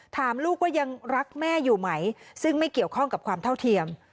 ถามลูกว่ายังรักแม่อยู่ไหมซึ่งไม่เกี่ยวข้องกับความเท่าเทียม